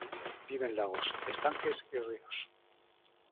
Vive en lagos, estanques y ríos.